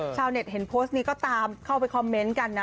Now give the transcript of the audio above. ชาวเน็ตเห็นโพสต์นี้ก็ตามเข้าไปคอมเมนต์กันนะ